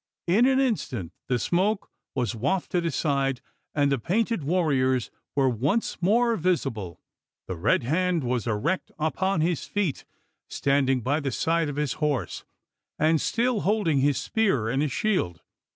In an instant, the smoke was wafted aside; and the painted warriors were once more visible. The Red Hand was erect upon his feet, standing by the side of his horse, and still holding his spear and his shield.